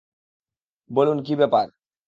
বলুন কী ব্যাপার?